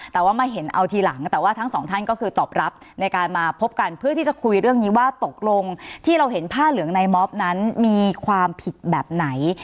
แต่ว่ามาเห็นเอาทีหลังแต่ว่าทั้งสองท่านก็คือตอบรับในการมาพบกันเพื่อที่จะคุยเรื่องนี้ว่าตกลงที่เราเห็นผ้าเหลืองในมอบนั้นมีความผิดแบบไหน